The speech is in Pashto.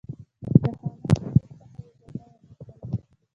له شاهانه حضور څخه یې اجازه وغوښتله.